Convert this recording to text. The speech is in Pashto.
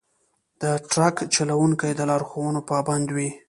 د ټرک چلوونکي د لارښوونو پابند وي.